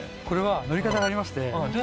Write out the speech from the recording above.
これは乗り方がありまして。